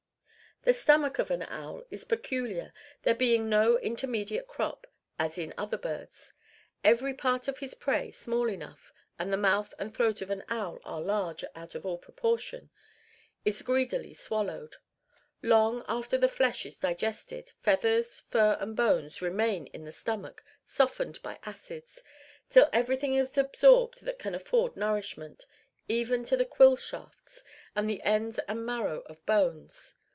The stomach of an owl is peculiar, there being no intermediate crop, as in other birds. Every part of his prey small enough (and the mouth and throat of an owl are large out of all proportion) is greedily swallowed. Long after the flesh is digested, feathers, fur, and bones remain in the stomach, softened by acids, till everything is absorbed that can afford nourishment, even to the quill shafts, and the ends and marrow of bones.